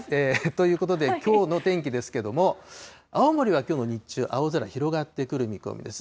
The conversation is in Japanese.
ということで、きょうの天気ですけども、青森はきょうも日中、青空、広がってくる見込みです。